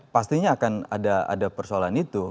pastinya akan ada persoalan itu